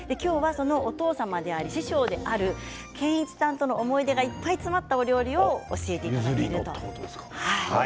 お父様でもあり師匠でもある建一さんとの思い出がいっぱい詰まった料理を教えていただきます。